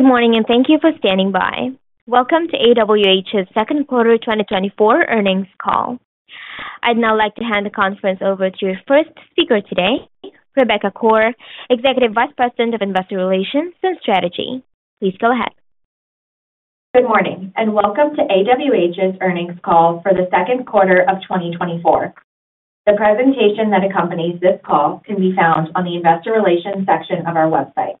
Good morning, and thank you for standIng by. Welcome to AWH's second quarter 2024 earnings call. I'd now like to hand the conference over to your first speaker today, Rebecca Koar, Executive Vice President of Investor Relations and Strategy. Please go ahead. Good morning, and welcome to AWH's earnings call for the second quarter of 2024. The presentation that accompanies this call can be found on the Investor Relations section of our website.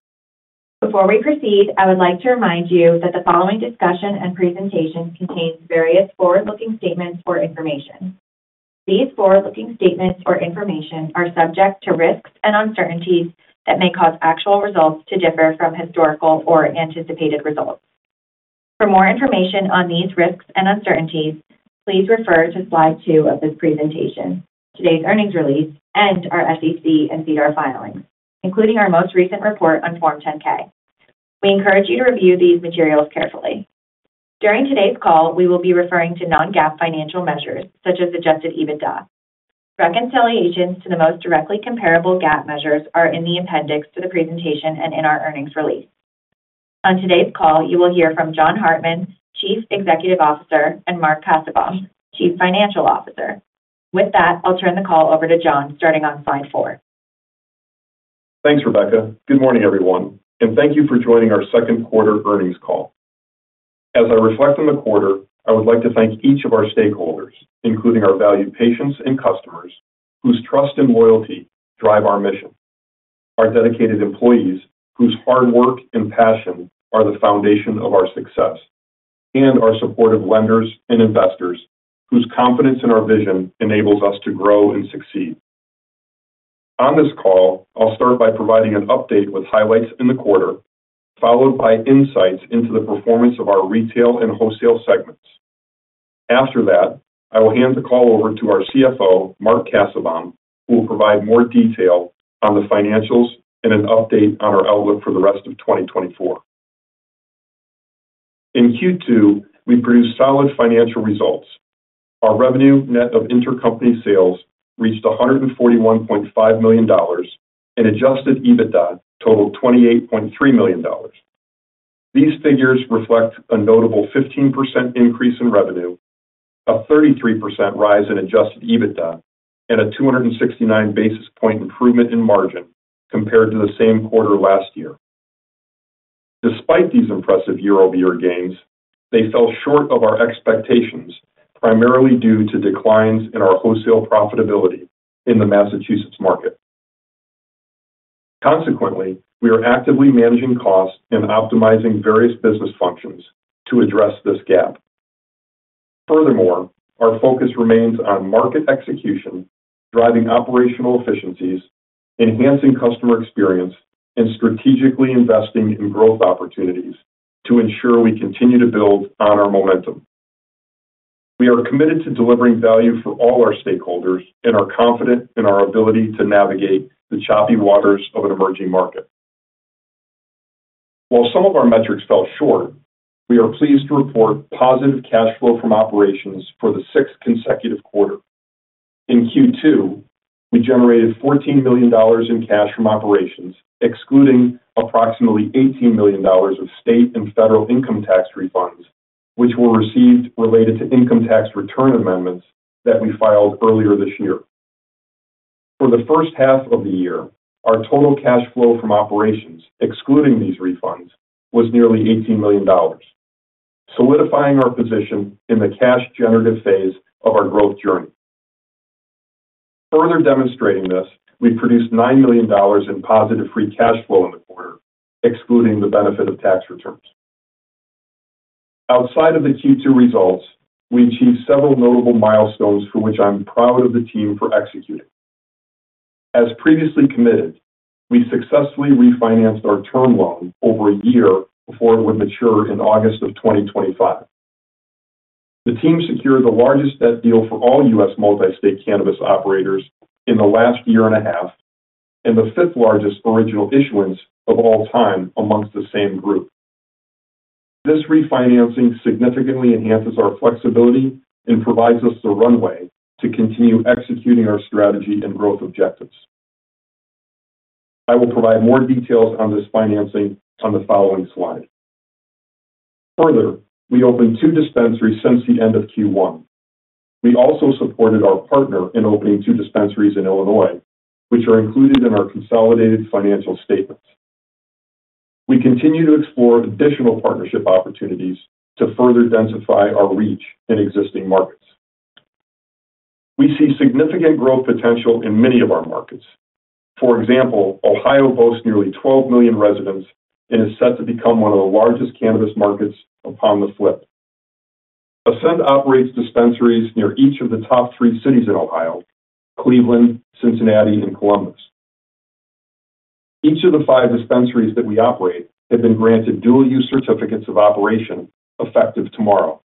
Before we proceed, I would like to remind you that the following discussion and presentation contains various forward-looking statements or information. These forward-looking statements or information are subject to risks and uncertainties that may cause actual results to differ from historical or anticipated results. For more information on these risks and uncertainties, please refer to slide two of this presentation, today's earnings release, and our SEC and SEDAR filings, including our most recent report on Form 10-K. We encourage you to review these materials carefully. During today's call, we will be referring to non-GAAP financial measures, such as Adjusted EBITDA. Reconciliations to the most directly comparable GAAP measures are in the appendix to the presentation and in our earnings release. On today's call, you will hear from John Hartman, Chief Executive Officer, and Mark Cassebaum, Chief Financial Officer. With that, I'll turn the call over to John, starting on slide four. Thanks, Rebecca. Good morning, everyone, and thank you for joining our second quarter earnings call. As I reflect on the quarter, I would like to thank each of our stakeholders, including our valued patients and customers, whose trust and loyalty drive our mission. Our dedicated employees, whose hard work and passion are the foundation of our success. And our supportive lenders and investors, whose confidence in our vision enables us to grow and succeed. On this call, I'll start by providing an update with highlights in the quarter, followed by insights into the performance of our retail and wholesale segments. After that, I will hand the call over to our CFO, Mark Cassebaum, who will provide more detail on the financials and an update on our outlook for the rest of 2024. In Q2, we produced solid financial results. Our revenue net of intercompany sales reached $141.5 million and Adjusted EBITDA totaled $28.3 million. These figures reflect a notable 15% increase in revenue, a 33% rise in Adjusted EBITDA, and a 269 basis point improvement in margin compared to the same quarter last year. Despite these impressive year-over-year gains, they fell short of our expectations, primarily due to declines in our wholesale profitability in the Massachusetts market. Consequently, we are actively managing costs and optimizing various business functions to address this gap. Furthermore, our focus remains on market execution, driving operational efficiencies, enhancing customer experience, and strategically investing in growth opportunities to ensure we continue to build on our momentum. We are committed to delivering value for all our stakeholders and are confident in our ability to navigate the choppy waters of an emerging market. While some of our metrics fell short, we are pleased to report positive cash flow from operations for the sixth consecutive quarter. In Q2, we generated $14 million in cash from operations, excluding approximately $18 million of state and federal income tax refunds, which were received related to income tax return amendments that we filed earlier this year. For the first half of the year, our total cash flow from operations, excluding these refunds, was nearly $18 million, solidifying our position in the cash-generative phase of our growth journey. Further demonstrating this, we produced $9 million in positive free cash flow in the quarter, excluding the benefit of tax returns. Outside of the Q2 results, we achieved several notable milestones for which I'm proud of the team for executing. As previously committed, we successfully refinanced our term loan over a year before it would mature in August of 2025. The team secured the largest debt deal for all U.S. multi-state cannabis operators in the last year and a half and the fifth-largest original issuance of all time amongst the same group. This refinancing significantly enhances our flexibility and provides us the runway to continue executing our strategy and growth objectives. I will provide more details on this financing on the following slide. Further, we opened two dispensaries since the end of Q1. We also supported our partner in opening two dispensaries in Illinois, which are included in our consolidated financial statements. We continue to explore additional partnership opportunities to further densify our reach in existing markets. We see significant growth potential in many of our markets. For example, Ohio boasts nearly 12 million residents and is set to become one of the largest cannabis markets upon the flip. Ascend operates dispensaries near each of the top three cities in Ohio: Cleveland, Cincinnati, and Columbus. Each of the five dispensaries that we operate has been granted dual-use certificates of operation effective tomorrow.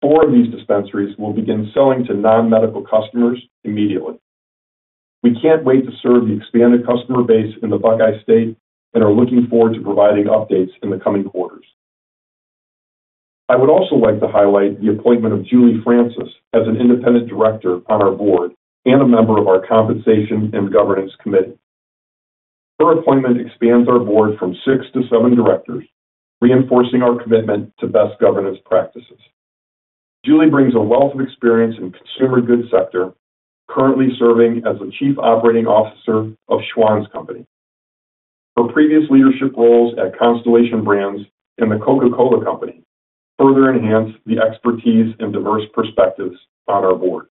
Four of these dispensaries will begin selling to non-medical customers immediately. We can't wait to serve the expanded customer base in the Buckeye State and are looking forward to providing updates in the coming quarters. I would also like to highlight the appointment of Julie Francis as an independent director on our board and a member of our Compensation and Governance Committee. Her appointment expands our board from six to seven directors, reinforcing our commitment to best governance practices. Julie brings a wealth of experience in the consumer goods sector, currently serving as the Chief Operating Officer of Schwan's Company. Her previous leadership roles at Constellation Brands and the Coca-Cola Company further enhance the expertise and diverse perspectives on our board.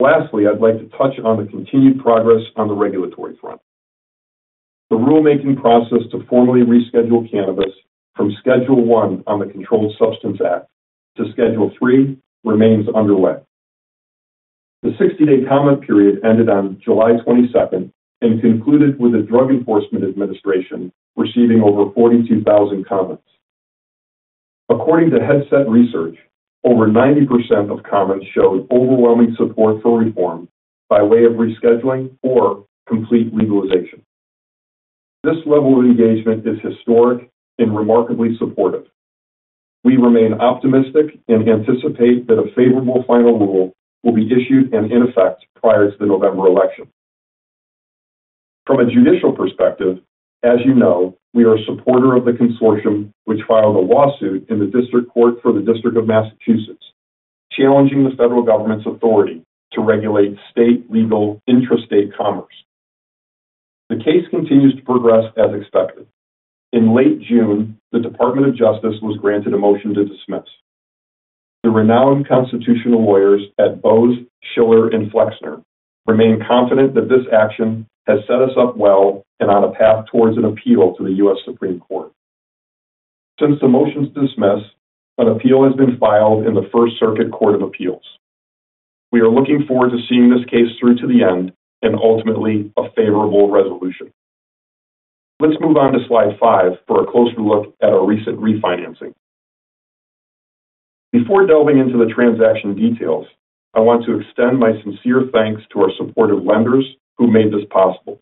Lastly, I'd like to touch on the continued progress on the regulatory front. The rulemaking process to formally reschedule cannabis from Schedule I on the Controlled Substances Act to Schedule III remains underway. The 60-day comment period ended on July 22nd and concluded with the Drug Enforcement Administration receiving over 42,000 comments. According to Headset Research, over 90% of comments showed overwhelming support for reform by way of rescheduling or complete legalization. This level of engagement is historic and remarkably supportive. We remain optimistic and anticipate that a favorable final rule will be issued and in effect prior to the November election. From a judicial perspective, as you know, we are a supporter of the consortium which filed a lawsuit in the district court for the District of Massachusetts, challenging the federal government's authority to regulate state-legal interstate commerce. The case continues to progress as expected. In late June, the Department of Justice was granted a motion to dismiss. The renowned constitutional lawyers at Boies Schiller Flexner remain confident that this action has set us up well and on a path towards an appeal to the U.S. Supreme Court. Since the motion to dismiss, an appeal has been filed in the First Circuit Court of Appeals. We are looking forward to seeing this case through to the end and ultimately a favorable resolution. Let's move on to slide five for a closer look at our recent refinancing. Before delving into the transaction details, I want to extend my sincere thanks to our supportive lenders who made this possible.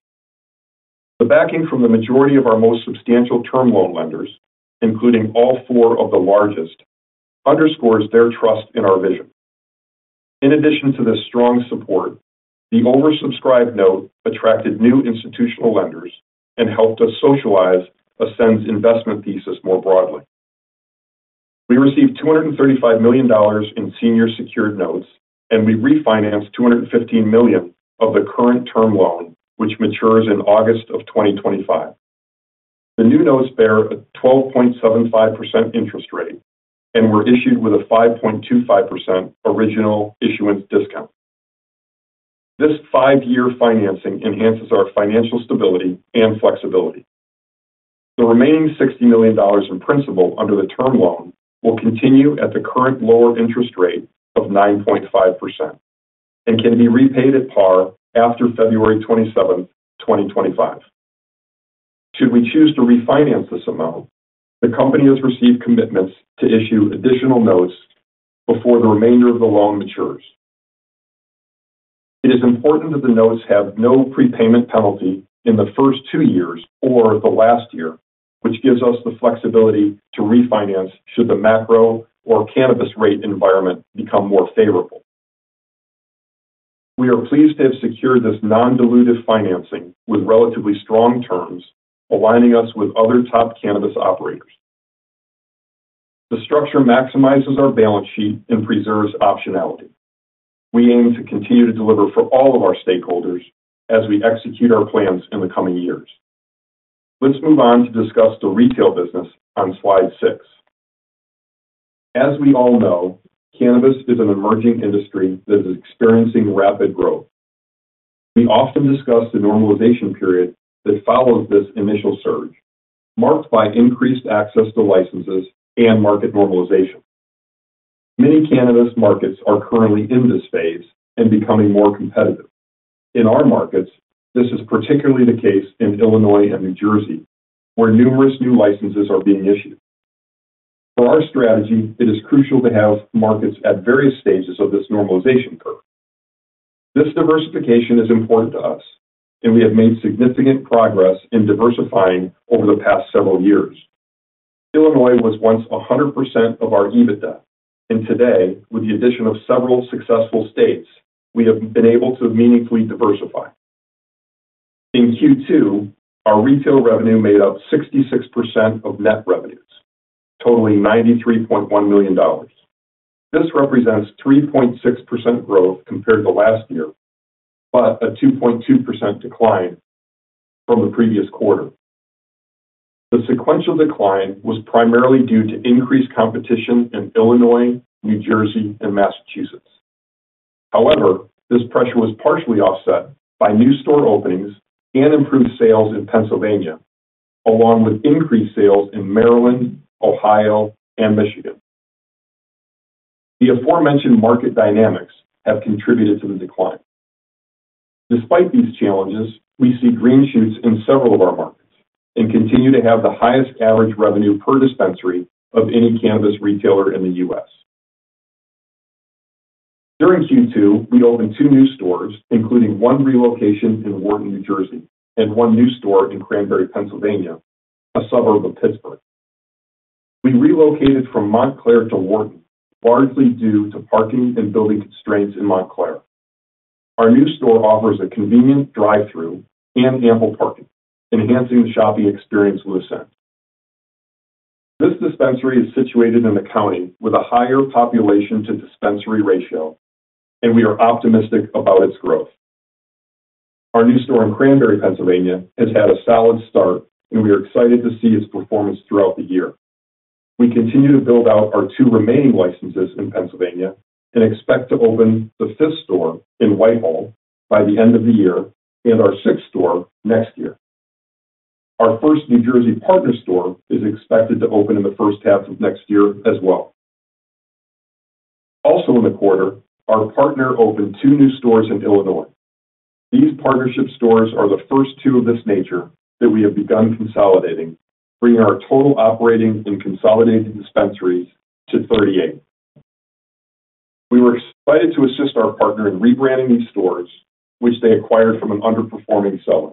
The backing from the majority of our most substantial term loan lenders, including all four of the largest, underscores their trust in our vision. In addition to this strong support, the oversubscribed note attracted new institutional lenders and helped us socialize Ascend's investment thesis more broadly. We received $235 million in senior secured notes, and we refinanced $215 million of the current term loan, which matures in August of 2025. The new notes bear a 12.75% interest rate and were issued with a 5.25% original issuance discount. This five-year financing enhances our financial stability and flexibility. The remaining $60 million in principal under the term loan will continue at the current lower interest rate of 9.5% and can be repaid at par after February 27th, 2025. Should we choose to refinance this amount, the company has received commitments to issue additional notes before the remainder of the loan matures. It is important that the notes have no prepayment penalty in the first two years or the last year, which gives us the flexibility to refinance should the macro or cannabis rate environment become more favorable. We are pleased to have secured this non-dilutive financing with relatively strong terms, aligning us with other top cannabis operators. The structure maximizes our balance sheet and preserves optionality. We aim to continue to deliver for all of our stakeholders as we execute our plans in the coming years. Let's move on to discuss the retail business on slide six. As we all know, cannabis is an emerging industry that is experiencing rapid growth. We often discuss the normalization period that follows this initial surge, marked by increased access to licenses and market normalization. Many cannabis markets are currently in this phase and becoming more competitive. In our markets, this is particularly the case in Illinois and New Jersey, where numerous new licenses are being issued. For our strategy, it is crucial to have markets at various stages of this normalization curve. This diversification is important to us, and we have made significant progress in diversifying over the past several years. Illinois was once 100% of our EBITDA, and today, with the addition of several successful states, we have been able to meaningfully diversify. In Q2, our retail revenue made up 66% of net revenues, totaling $93.1 million. This represents 3.6% growth compared to last year, but a 2.2% decline from the previous quarter. The sequential decline was primarily due to increased competition in Illinois, New Jersey, and Massachusetts. However, this pressure was partially offset by new store openings and improved sales in Pennsylvania, along with increased sales in Maryland, Ohio, and Michigan. The aforementioned market dynamics have contributed to the decline. Despite these challenges, we see green shoots in several of our markets and continue to have the highest average revenue per dispensary of any cannabis retailer in the U.S. During Q2, we opened two new stores, including one relocation in Wharton, New Jersey, and one new store in Cranberry, Pennsylvania, a suburb of Pittsburgh. We relocated from Montclair to Wharton, largely due to parking and building constraints in Montclair. Our new store offers a convenient drive-through and ample parking, enhancing the shopping experience with Ascend. This dispensary is situated in the county with a higher population-to-dispensary ratio, and we are optimistic about its growth. Our new store in Cranberry, Pennsylvania, has had a solid start, and we are excited to see its performance throughout the year. We continue to build out our two remaining licenses in Pennsylvania and expect to open the fifth store in Whitehall by the end of the year and our sixth store next year. Our first New Jersey partner store is expected to open in the first half of next year as well. Also in the quarter, our partner opened two new stores in Illinois. These partnership stores are the first two of this nature that we have begun consolidating, bringing our total operating and consolidated dispensaries to 38. We were excited to assist our partner in rebranding these stores, which they acquired from an underperforming seller.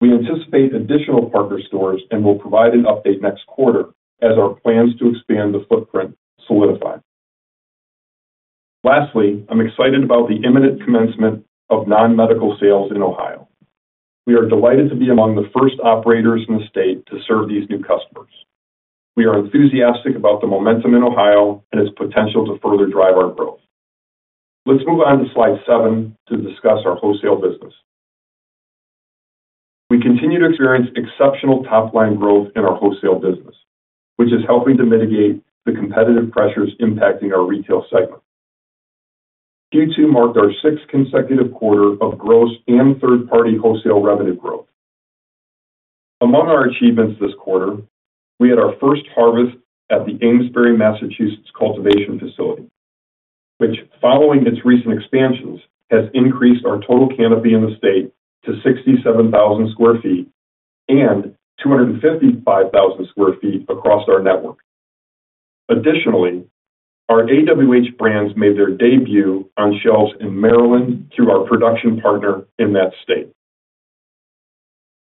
We anticipate additional partner stores and will provide an update next quarter as our plans to expand the footprint solidify. Lastly, I'm excited about the imminent commencement of non-medical sales in Ohio. We are delighted to be among the first operators in the state to serve these new customers. We are enthusiastic about the momentum in Ohio and its potential to further drive our growth. Let's move on to slide seven to discuss our wholesale business. We continue to experience exceptional top-line growth in our wholesale business, which is helping to mitigate the competitive pressures impacting our retail segment. Q2 marked our sixth consecutive quarter of gross and third-party wholesale revenue growth. Among our achievements this quarter, we had our first harvest at the Amesbury, Massachusetts cultivation facility, which, following its recent expansions, has increased our total canopy in the state to 67,000 square feet and 255,000 square feet across our network. Additionally, our AWH brands made their debut on shelves in Maryland through our production partner in that state.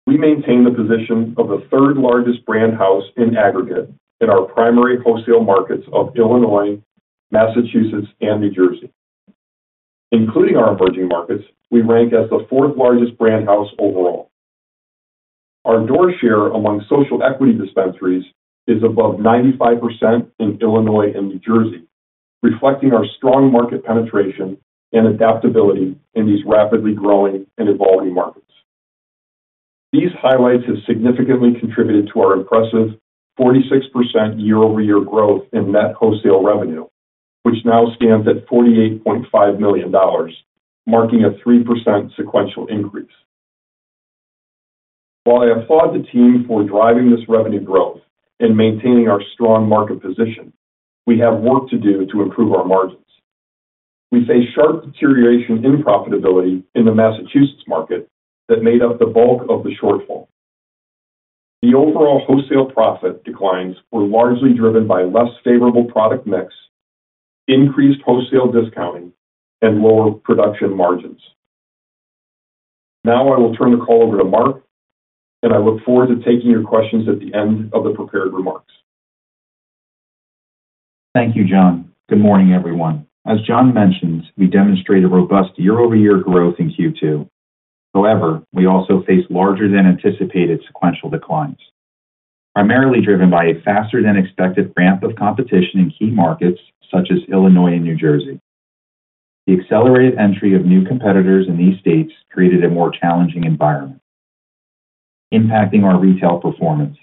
We maintain the position of the third-largest brand house in aggregate in our primary wholesale markets of Illinois, Massachusetts, and New Jersey. Including our emerging markets, we rank as the fourth-largest brand house overall. Our door share among Social Equity dispensaries is above 95% in Illinois and New Jersey, reflecting our strong market penetration and adaptability in these rapidly growing and evolving markets. These highlights have significantly contributed to our impressive 46% year-over-year growth in net wholesale revenue, which now stands at $48.5 million, marking a 3% sequential increase. While I applaud the team for driving this revenue growth and maintaining our strong market position, we have work to do to improve our margins. We face sharp deterioration in profitability in the Massachusetts market that made up the bulk of the shortfall. The overall wholesale profit declines were largely driven by less favorable product mix, increased wholesale discounting, and lower production margins. Now I will turn the call over to Mark, and I look forward to taking your questions at the end of the prepared remarks. Thank you, John. Good morning, everyone. As John mentioned, we demonstrated robust year-over-year growth in Q2. However, we also faced larger-than-anticipated sequential declines, primarily driven by a faster-than-expected ramp of competition in key markets such as Illinois and New Jersey. The accelerated entry of new competitors in these states created a more challenging environment, impacting our retail performance.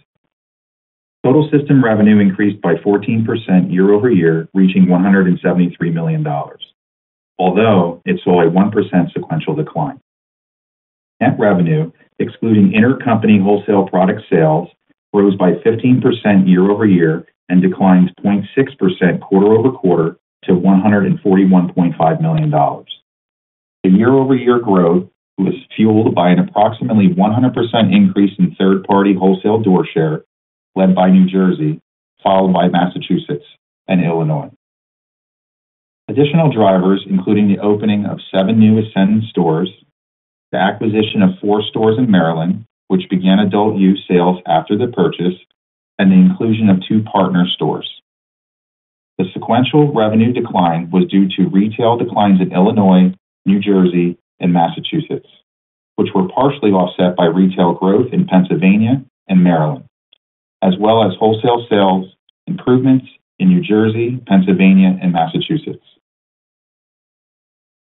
Total system revenue increased by 14% year-over-year, reaching $173 million, although it saw a 1% sequential decline. Net revenue, excluding intercompany wholesale product sales, rose by 15% year-over-year and declined 0.6% quarter-over-quarter to $141.5 million. The year-over-year growth was fueled by an approximately 100% increase in third-party wholesale door share led by New Jersey, followed by Massachusetts and Illinois. Additional drivers included the opening of seven new Ascend stores, the acquisition of four stores in Maryland, which began adult use sales after the purchase, and the inclusion of two partner stores. The sequential revenue decline was due to retail declines in Illinois, New Jersey, and Massachusetts, which were partially offset by retail growth in Pennsylvania and Maryland, as well as wholesale sales improvements in New Jersey, Pennsylvania, and Massachusetts.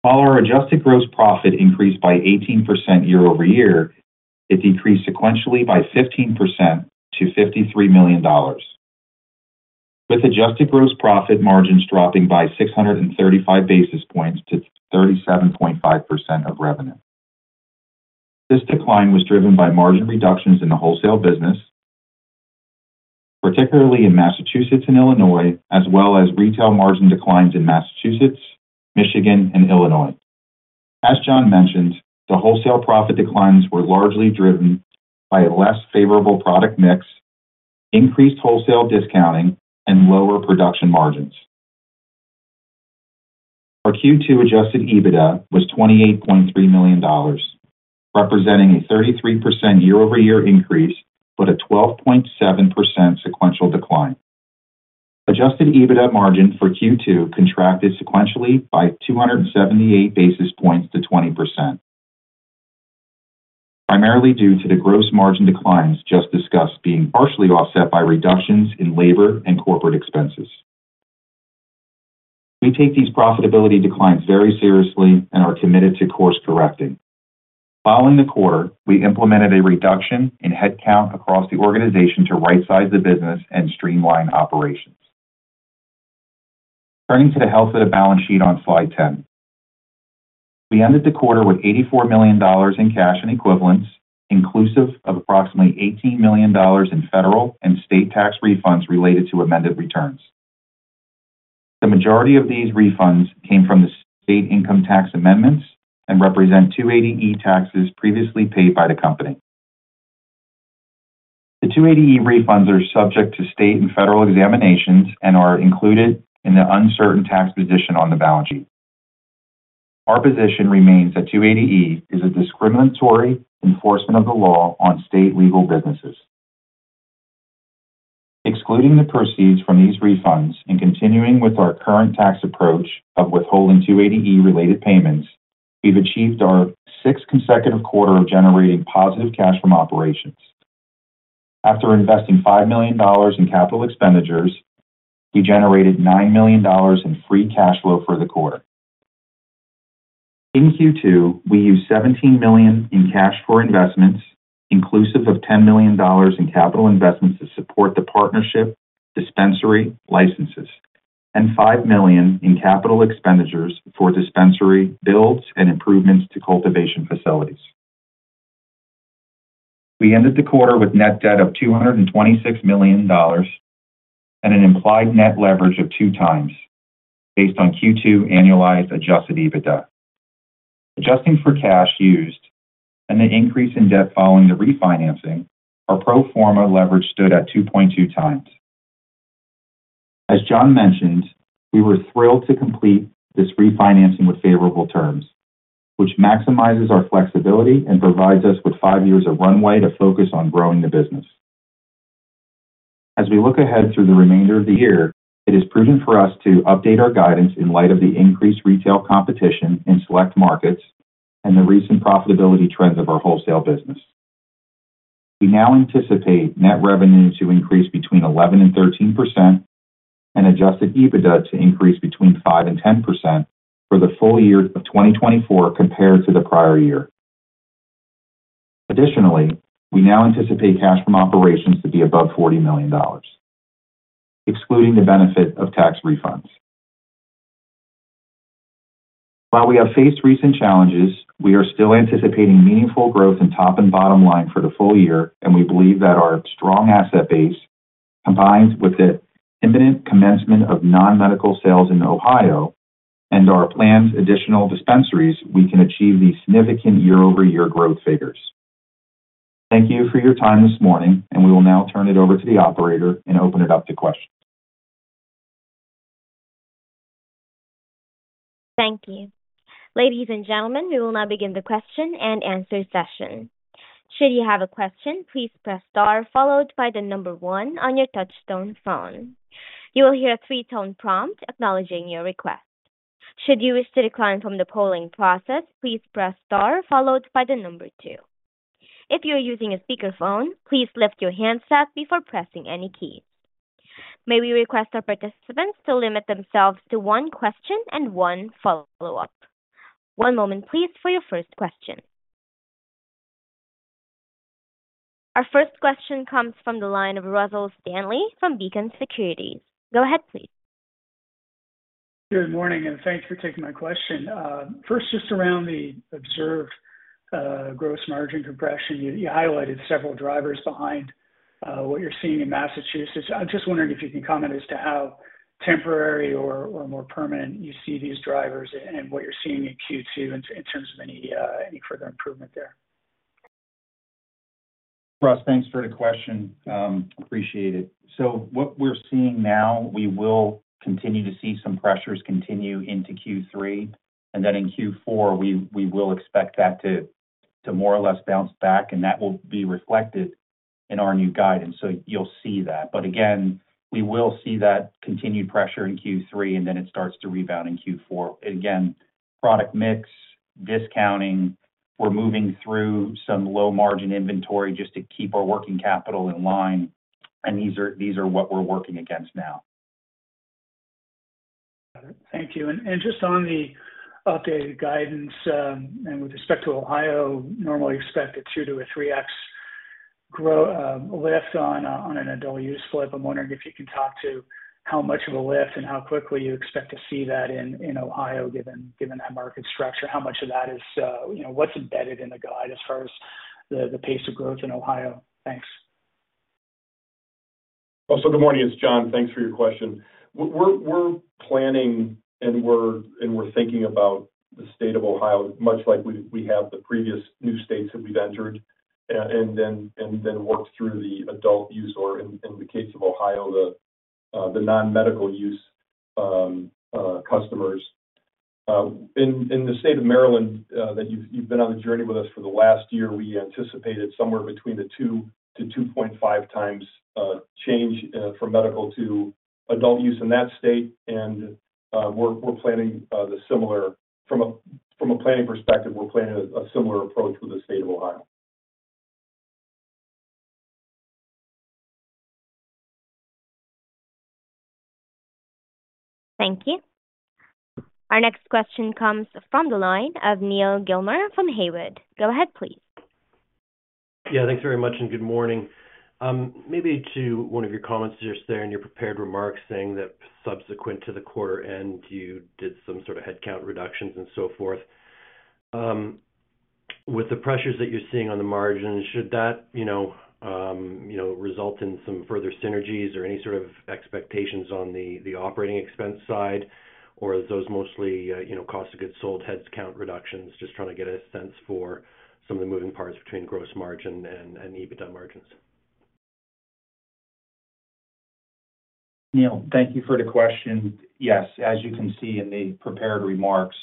While our adjusted gross profit increased by 18% year-over-year, it decreased sequentially by 15% to $53 million, with adjusted gross profit margins dropping by 635 basis points to 37.5% of revenue. This decline was driven by margin reductions in the wholesale business, particularly in Massachusetts and Illinois, as well as retail margin declines in Massachusetts, Michigan, and Illinois. As John mentioned, the wholesale profit declines were largely driven by a less favorable product mix, increased wholesale discounting, and lower production margins. Our Q2 adjusted EBITDA was $28.3 million, representing a 33% year-over-year increase but a 12.7% sequential decline. Adjusted EBITDA margin for Q2 contracted sequentially by 278 basis points to 20%, primarily due to the gross margin declines just discussed being partially offset by reductions in labor and corporate expenses. We take these profitability declines very seriously and are committed to course-correcting. Following the quarter, we implemented a reduction in headcount across the organization to right-size the business and streamline operations. Turning to the health of the balance sheet on slide 10, we ended the quarter with $84 million in cash and equivalents, inclusive of approximately $18 million in federal and state tax refunds related to amended returns. The majority of these refunds came from the state income tax amendments and represent 280E taxes previously paid by the company. The 280E refunds are subject to state and federal examinations and are included in the uncertain tax position on the balance sheet. Our position remains that 280E is a discriminatory enforcement of the law on state legal businesses. Excluding the proceeds from these refunds and continuing with our current tax approach of withholding 280E-related payments, we've achieved our sixth consecutive quarter of generating positive cash from operations. After investing $5 million in capital expenditures, we generated $9 million in free cash flow for the quarter. In Q2, we used $17 million in cash for investments, inclusive of $10 million in capital investments to support the partnership dispensary licenses, and $5 million in capital expenditures for dispensary builds and improvements to cultivation facilities. We ended the quarter with net debt of $226 million and an implied net leverage of 2x based on Q2 annualized Adjusted EBITDA. Adjusting for cash used and the increase in debt following the refinancing, our pro forma leverage stood at 2.2x. As John mentioned, we were thrilled to complete this refinancing with favorable terms, which maximizes our flexibility and provides us with five years of runway to focus on growing the business. As we look ahead through the remainder of the year, it is prudent for us to update our guidance in light of the increased retail competition in select markets and the recent profitability trends of our wholesale business. We now anticipate net revenue to increase between 11% and 13% and adjusted EBITDA to increase between 5% and 10% for the full year of 2024 compared to the prior year. Additionally, we now anticipate cash from operations to be above $40 million, excluding the benefit of tax refunds. While we have faced recent challenges, we are still anticipating meaningful growth in top and bottom line for the full year, and we believe that our strong asset base combines with the imminent commencement of non-medical sales in Ohio and our planned additional dispensaries. We can achieve these significant year-over-year growth figures. Thank you for your time this morning, and we will now turn it over to the operator and open it up to questions. Thank you. Ladies and gentlemen, we will now begin the question and answer session. Should you have a question, please press star, followed by the number one on your touch-tone phone. You will hear a three-tone prompt acknowledging your request. Should you wish to decline from the polling process, please press star, followed by the number two. If you're using a speakerphone, please lift the handset before pressing any keys. May we request our participants to limit themselves to one question and one follow-up? One moment, please, for your first question. Our first question comes from the line of Russell Stanley from Beacon Securities. Go ahead, please. Good morning, and thanks for taking my question. First, just around the observed gross margin compression, you highlighted several drivers behind what you're seeing in Massachusetts. I'm just wondering if you can comment as to how temporary or more permanent you see these drivers and what you're seeing in Q2 in terms of any further improvement there? Russ, thanks for the question. Appreciate it. So what we're seeing now, we will continue to see some pressures continue into Q3, and then in Q4, we will expect that to more or less bounce back, and that will be reflected in our new guidance, so you'll see that. But again, we will see that continued pressure in Q3, and then it starts to rebound in Q4. Again, product mix, discounting, we're moving through some low-margin inventory just to keep our working capital in line, and these are what we're working against now. Got it. Thank you. And just on the updated guidance, and with respect to Ohio, normally expect a 2- to 3x lift on an adult use flip. I'm wondering if you can talk to how much of a lift and how quickly you expect to see that in Ohio, given that market structure. How much of that is what's embedded in the guide as far as the pace of growth in Ohio? Thanks. Well, so good morning. It's John. Thanks for your question. We're planning and we're thinking about the state of Ohio, much like we have the previous new states that we've entered, and then worked through the adult use, or in the case of Ohio, the non-medical use customers. In the state of Maryland, that you've been on the journey with us for the last year, we anticipated somewhere between 2-2.5 times change from medical to adult use in that state, and we're planning the similar from a planning perspective, we're planning a similar approach with the state of Ohio. Thank you. Our next question comes from the line of Neal Gilmer from Haywood. Go ahead, please. Yeah, thanks very much, and good morning. Maybe to one of your comments just there in your prepared remarks saying that subsequent to the quarter end, you did some sort of headcount reductions and so forth. With the pressures that you're seeing on the margins, should that result in some further synergies or any sort of expectations on the operating expense side, or is those mostly cost of goods sold, headcount reductions, just trying to get a sense for some of the moving parts between gross margin and EBITDA margins? Neal, thank you for the question. Yes, as you can see in the prepared remarks,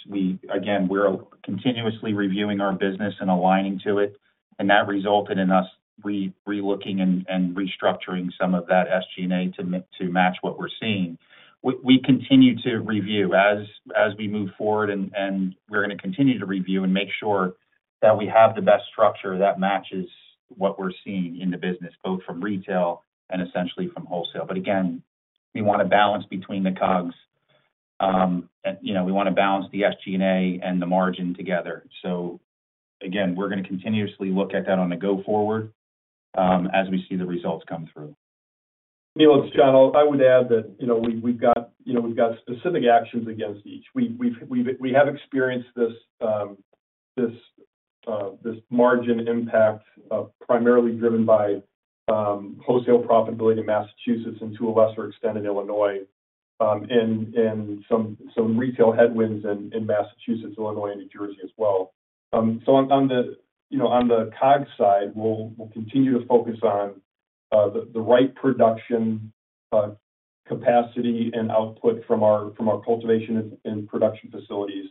again, we're continuously reviewing our business and aligning to it, and that resulted in us relooking and restructuring some of that SG&A to match what we're seeing. We continue to review as we move forward, and we're going to continue to review and make sure that we have the best structure that matches what we're seeing in the business, both from retail and essentially from wholesale. But again, we want to balance between the COGS. We want to balance the SG&A and the margin together. So again, we're going to continuously look at that going forward as we see the results come through. Neal, it's John. I would add that we've got specific actions against each. We have experienced this margin impact primarily driven by wholesale profitability in Massachusetts and to a lesser extent in Illinois, and some retail headwinds in Massachusetts, Illinois, and New Jersey as well. So on the COGS side, we'll continue to focus on the right production capacity and output from our cultivation and production facilities.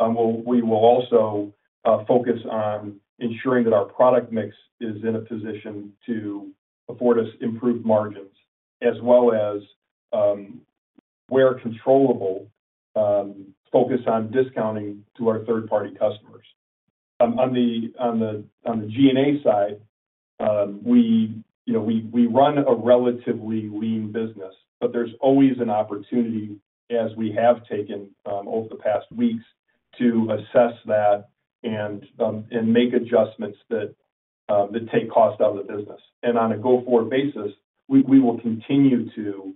We will also focus on ensuring that our product mix is in a position to afford us improved margins, as well as, where controllable, focus on discounting to our third-party customers. On the G&A side, we run a relatively lean business, but there's always an opportunity, as we have taken over the past weeks, to assess that and make adjustments that take cost out of the business. And on a go-forward basis, we will continue to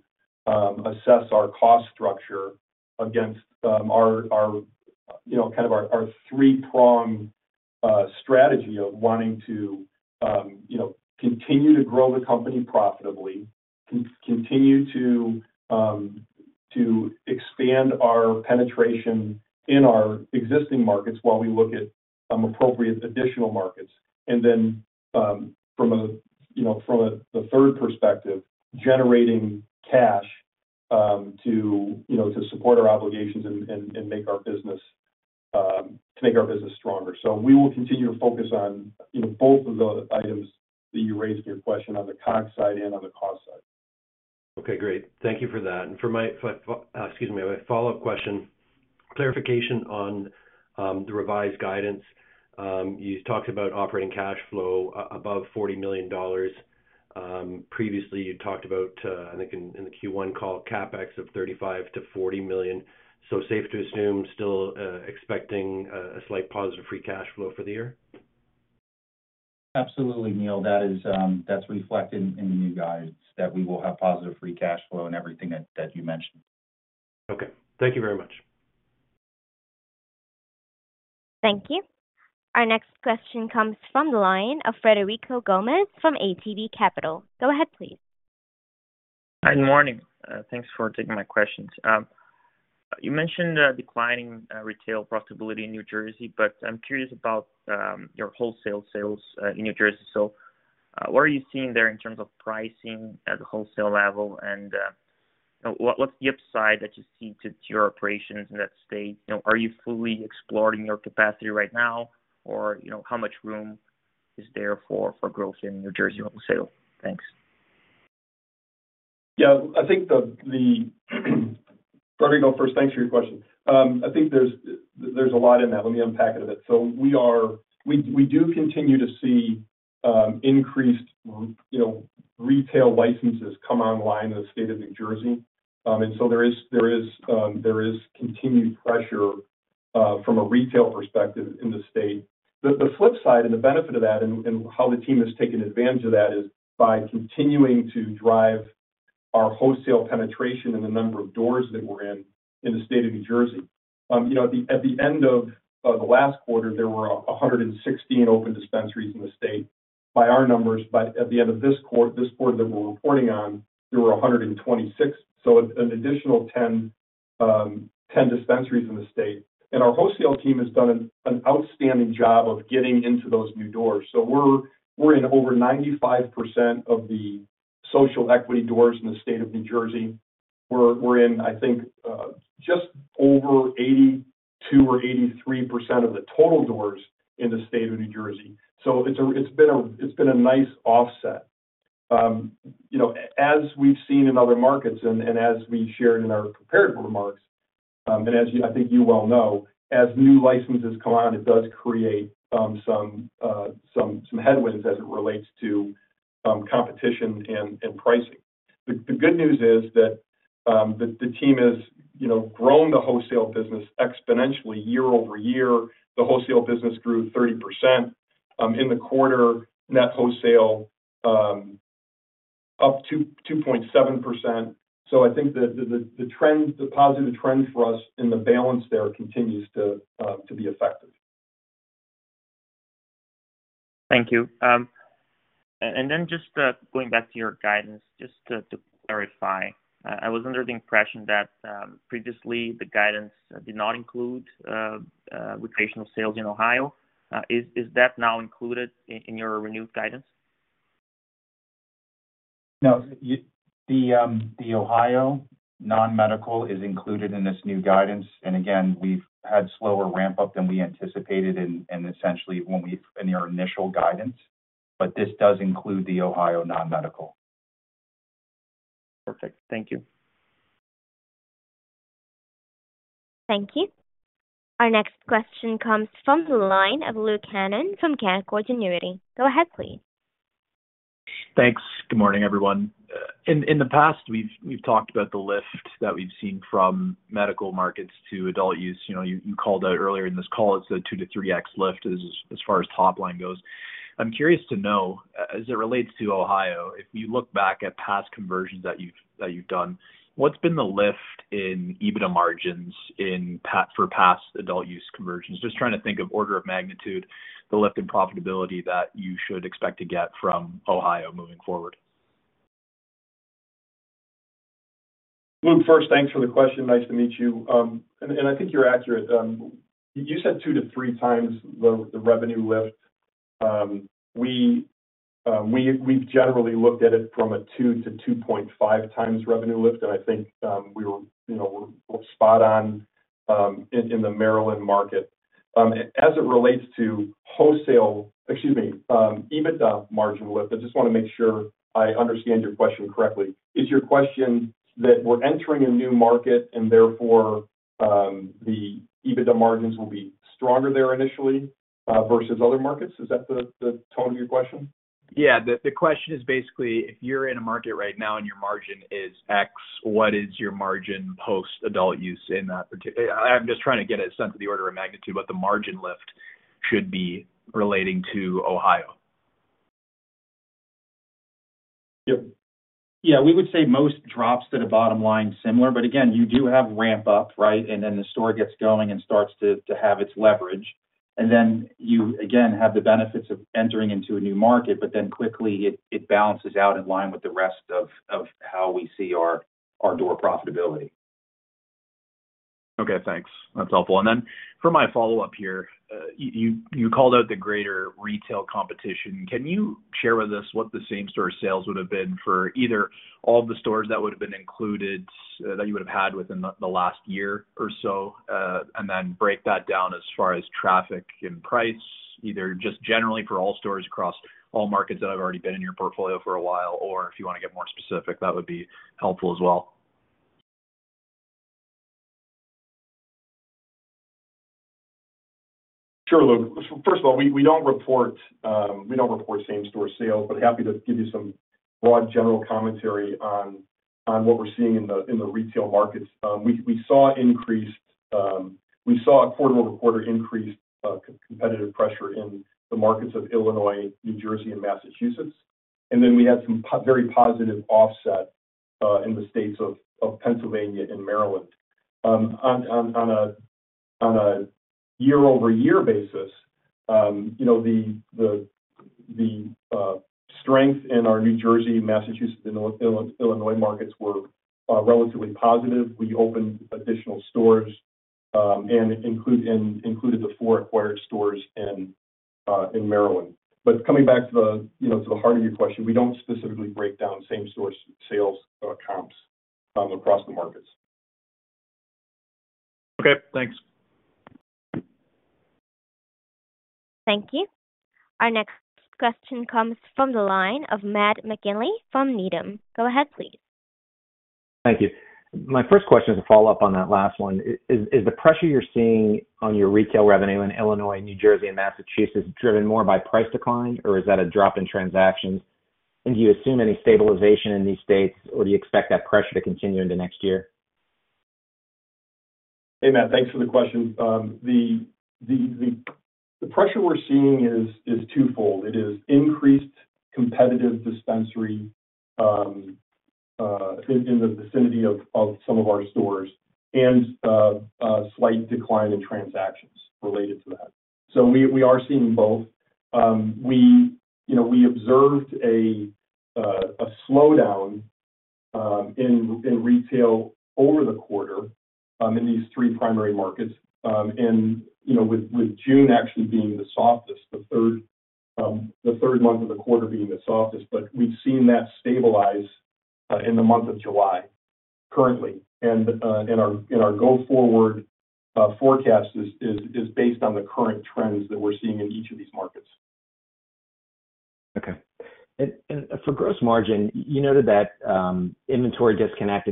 assess our cost structure against our kind of our three-pronged strategy of wanting to continue to grow the company profitably, continue to expand our penetration in our existing markets while we look at appropriate additional markets, and then from the third perspective, generating cash to support our obligations and make our business stronger. So we will continue to focus on both of the items that you raised in your question on the COGS side and on the cost side. Okay, great. Thank you for that. And for my, excuse me, my follow-up question, clarification on the revised guidance. You talked about operating cash flow above $40 million. Previously, you talked about, I think in the Q1 call, CapEx of $35 million-$40 million. So safe to assume still expecting a slight positive free cash flow for the year? Absolutely, Neal. That's reflected in the new guidance that we will have positive free cash flow and everything that you mentioned. Okay. Thank you very much. Thank you. Our next question comes from the line of Frederico Gomes from ATB Capital Markets. Go ahead, please. Good morning. Thanks for taking my questions. You mentioned declining retail profitability in New Jersey, but I'm curious about your wholesale sales in New Jersey. So what are you seeing there in terms of pricing at the wholesale level, and what's the upside that you see to your operations in that state? Are you fully exploring your capacity right now, or how much room is there for growth in New Jersey wholesale? Thanks. Yeah, I think—Frederico, first, thanks for your question. I think there's a lot in that. Let me unpack it a bit. So we do continue to see increased retail licenses come online in the state of New Jersey. And so there is continued pressure from a retail perspective in the state. The flip side and the benefit of that and how the team has taken advantage of that is by continuing to drive our wholesale penetration and the number of doors that we're in in the state of New Jersey. At the end of the last quarter, there were 116 open dispensaries in the state. By our numbers, by at the end of this quarter that we're reporting on, there were 126. So an additional 10 dispensaries in the state. And our wholesale team has done an outstanding job of getting into those new doors. So we're in over 95% of the Social Equity doors in the state of New Jersey. We're in, I think, just over 82 or 83% of the total doors in the state of New Jersey. So it's been a nice offset. As we've seen in other markets and as we shared in our prepared remarks, and as I think you well know, as new licenses come on, it does create some headwinds as it relates to competition and pricing. The good news is that the team has grown the wholesale business exponentially year-over-year. The wholesale business grew 30% in the quarter, net wholesale up 2.7%. So I think the positive trend for us in the balance there continues to be effective. Thank you. And then just going back to your guidance, just to clarify, I was under the impression that previously the guidance did not include recreational sales in Ohio. Is that now included in your renewed guidance? No. The Ohio non-medical is included in this new guidance. And again, we've had slower ramp-up than we anticipated in essentially when we in our initial guidance, but this does include the Ohio non-medical. Perfect. Thank you. Thank you. Our next question comes from the line of Luke Hannan from Canaccord Genuity. Go ahead, please. Thanks. Good morning, everyone. In the past, we've talked about the lift that we've seen from medical markets to adult use. You called out earlier in this call, it's a 2-3x lift as far as top line goes. I'm curious to know, as it relates to Ohio, if you look back at past conversions that you've done, what's been the lift in EBITDA margins for past adult use conversions? Just trying to think of order of magnitude, the lift in profitability that you should expect to get from Ohio moving forward. First, thanks for the question. Nice to meet you. And I think you're accurate. You said 2-3 times the revenue lift. We've generally looked at it from a 2-2.5 times revenue lift, and I think we were spot on in the Maryland market. As it relates to wholesale, excuse me, EBITDA margin lift, I just want to make sure I understand your question correctly. Is your question that we're entering a new market and therefore the EBITDA margins will be stronger there initially versus other markets? Is that the tone of your question? Yeah. The question is basically, if you're in a market right now and your margin is X, what is your margin post-adult-use in that particular. I'm just trying to get a sense of the order of magnitude what the margin lift should be relating to Ohio. Yep. Yeah. We would say most drops to the bottom line similar, but again, you do have ramp-up, right? And then the store gets going and starts to have its leverage. And then you, again, have the benefits of entering into a new market, but then quickly it balances out in line with the rest of how we see our door profitability. Okay. Thanks. That's helpful. And then for my follow-up here, you called out the greater retail competition. Can you share with us what the same store sales would have been for either all of the stores that would have been included that you would have had within the last year or so, and then break that down as far as traffic and price, either just generally for all stores across all markets that have already been in your portfolio for a while, or if you want to get more specific, that would be helpful as well? Sure. Look, first of all, we don't report same-store sales, but happy to give you some broad general commentary on what we're seeing in the retail markets. We saw a quarter-over-quarter increased competitive pressure in the markets of Illinois, New Jersey, and Massachusetts. Then we had some very positive offset in the states of Pennsylvania and Maryland. On a year-over-year basis, the strength in our New Jersey, Massachusetts, and Illinois markets were relatively positive. We opened additional stores and included the four acquired stores in Maryland. But coming back to the heart of your question, we don't specifically break down same-store sales comps across the markets. Okay. Thanks. Thank you. Our next question comes from the line of Matt McGinley from Needham. Go ahead, please. Thank you. My first question is a follow-up on that last one. Is the pressure you're seeing on your retail revenue in Illinois, New Jersey, and Massachusetts driven more by price decline, or is that a drop in transactions? And do you assume any stabilization in these states, or do you expect that pressure to continue into next year? Hey, Matt, thanks for the question. The pressure we're seeing is twofold. It is increased competitive dispensary in the vicinity of some of our stores and a slight decline in transactions related to that. So we are seeing both. We observed a slowdown in retail over the quarter in these three primary markets, with June actually being the softest, the third month of the quarter being the softest, but we've seen that stabilize in the month of July currently. And our go-forward forecast is based on the current trends that we're seeing in each of these markets. Okay. And for gross margin, you noted that inventory disconnect.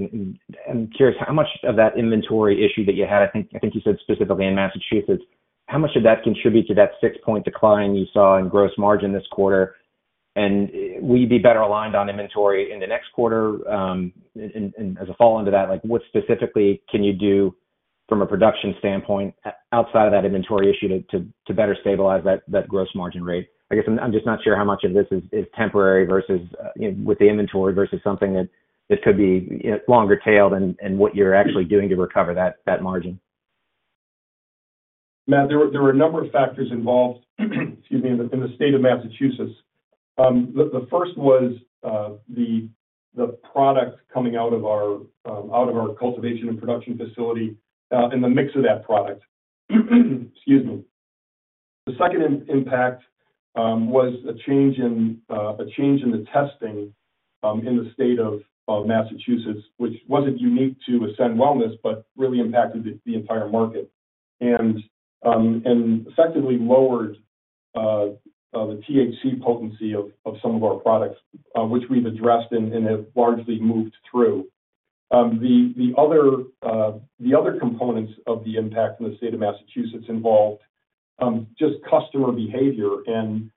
I'm curious, how much of that inventory issue that you had—I think you said specifically in Massachusetts—how much did that contribute to that 6-point decline you saw in gross margin this quarter? And will you be better aligned on inventory in the next quarter? As a follow-up to that, what specifically can you do from a production standpoint outside of that inventory issue to better stabilize that gross margin rate? I guess I'm just not sure how much of this is temporary versus with the inventory versus something that could be longer-tailed and what you're actually doing to recover that margin. Matt, there were a number of factors involved, excuse me, in the state of Massachusetts. The first was the product coming out of our cultivation and production facility and the mix of that product. Excuse me. The second impact was a change in the testing in the state of Massachusetts, which wasn't unique to Ascend Wellness, but really impacted the entire market and effectively lowered the THC potency of some of our products, which we've addressed and have largely moved through. The other components of the impact in the state of Massachusetts involved just customer behavior and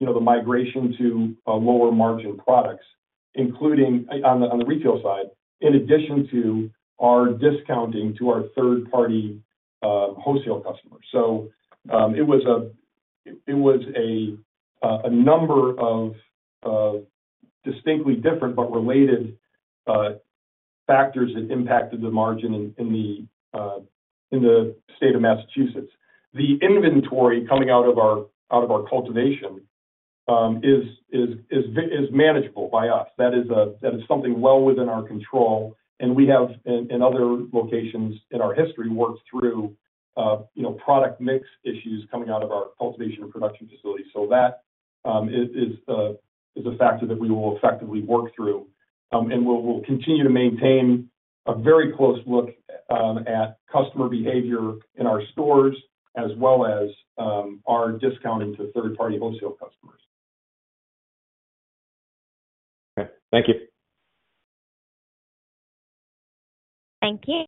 the migration to lower-margin products, including on the retail side, in addition to our discounting to our third-party wholesale customers. So it was a number of distinctly different but related factors that impacted the margin in the state of Massachusetts. The inventory coming out of our cultivation is manageable by us. That is something well within our control. And we have, in other locations in our history, worked through product mix issues coming out of our cultivation and production facility. So that is a factor that we will effectively work through. And we'll continue to maintain a very close look at customer behavior in our stores as well as our discounting to third-party wholesale customers. Okay. Thank you. Thank you.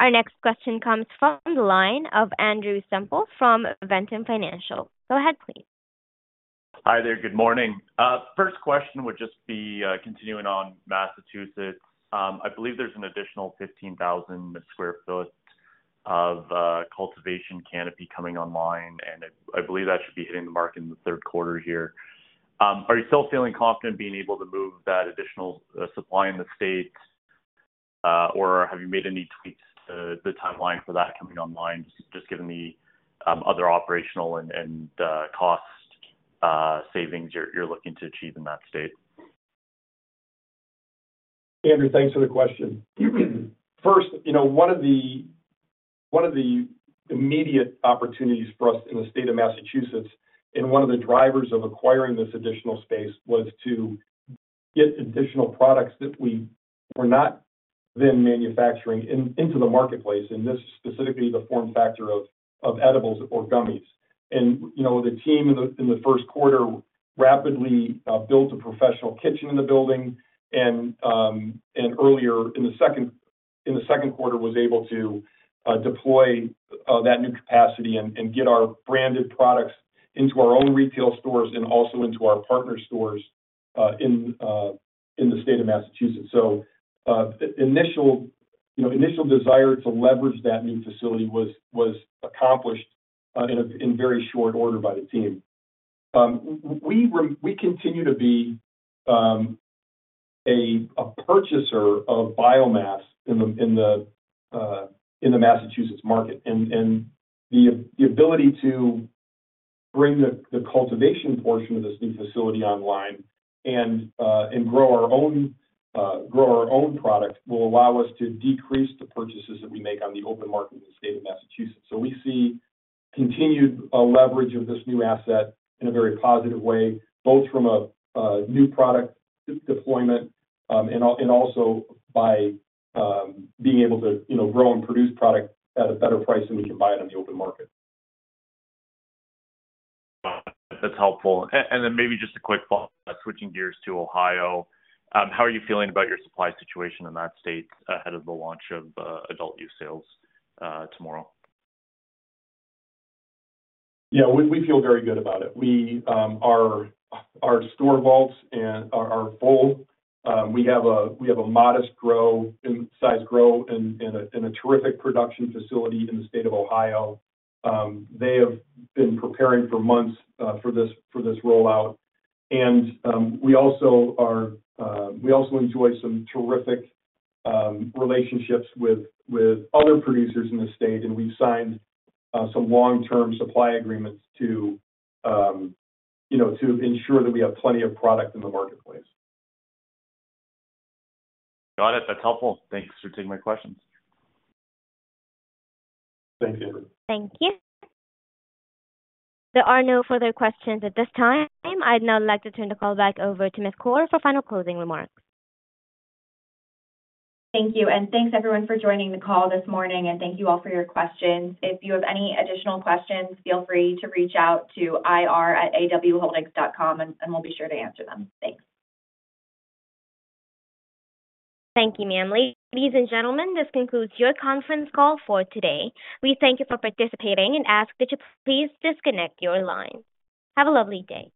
Our next question comes from the line of Andrew Semple from Ventum Financial. Go ahead, please. Hi there. Good morning. First question would just be continuing on Massachusetts. I believe there's an additional 15,000 sq ft of cultivation canopy coming online, and I believe that should be hitting the mark in the third quarter here. Are you still feeling confident being able to move that additional supply in the state, or have you made any tweaks to the timeline for that coming online, just given the other operational and cost savings you're looking to achieve in that state? Andrew, thanks for the question. First, one of the immediate opportunities for us in the state of Massachusetts and one of the drivers of acquiring this additional space was to get additional products that we were not then manufacturing into the marketplace, and this is specifically the form factor of edibles or gummies. The team in the first quarter rapidly built a professional kitchen in the building, and earlier in the second quarter, was able to deploy that new capacity and get our branded products into our own retail stores and also into our partner stores in the state of Massachusetts. Initial desire to leverage that new facility was accomplished in very short order by the team. We continue to be a purchaser of biomass in the Massachusetts market. The ability to bring the cultivation portion of this new facility online and grow our own product will allow us to decrease the purchases that we make on the open market in the state of Massachusetts.So we see continued leverage of this new asset in a very positive way, both from a new product deployment and also by being able to grow and produce product at a better price than we can buy it on the open market. That's helpful. And then maybe just a quick follow-up, switching gears to Ohio. How are you feeling about your supply situation in that state ahead of the launch of adult use sales tomorrow? Yeah. We feel very good about it. Our store vaults are full. We have a modest size grow and a terrific production facility in the state of Ohio. They have been preparing for months for this rollout. And we also enjoy some terrific relationships with other producers in the state, and we've signed some long-term supply agreements to ensure that we have plenty of product in the marketplace. Got it. That's helpful. Thanks for taking my questions. Thank you. Thank you. There are no further questions at this time. I'd now like to turn the call back over to Ms. Koar for final closing remarks. Thank you. And thanks, everyone, for joining the call this morning, and thank you all for your questions. If you have any additional questions, feel free to reach out to ir@awholdings.com, and we'll be sure to answer them. Thanks. Thank you, ma'am. Ladies and gentlemen, this concludes your conference call for today. We thank you for participating and ask that you please disconnect your line. Have a lovely day.